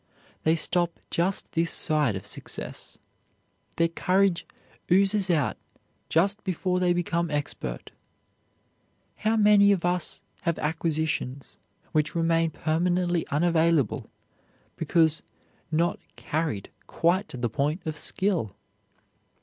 They stop just this side of success. Their courage oozes out just before they become expert. How many of us have acquisitions which remain permanently unavailable because not carried quite to the point of skill?